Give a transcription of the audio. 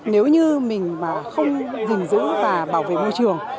nếu như mình mà không dình dữ và bảo vệ môi trường